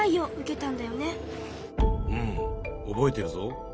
うん覚えてるぞ。